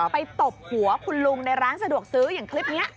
ตบหัวคุณลุงในร้านสะดวกซื้ออย่างคลิปนี้